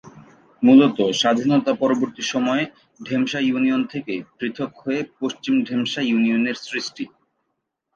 মূলত স্বাধীনতা পরবর্তী সময়ে ঢেমশা ইউনিয়ন থেকে পৃথক হয়ে পশ্চিম ঢেমশা ইউনিয়নের সৃষ্টি।